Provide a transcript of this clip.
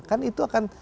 kan itu akan